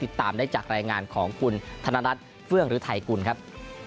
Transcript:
ติดตามได้จากรายงานของทนรัฐเฟืองหรือไทยกุ้นครับ